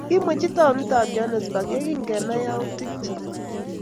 kimwechi taunitab Joanesburg yekingenai youtikchich